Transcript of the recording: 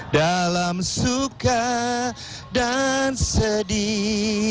dalam suka dan sedih